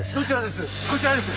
こちらです。